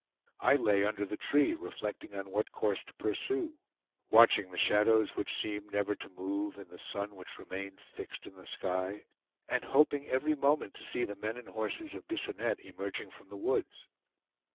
I lay under the tree reflecting on what course to pursue, watching the shadows which seemed never to move, and the sun which remained fixed in the sky, and hoping every moment to see the men and horses of Bisonette emerging from the woods.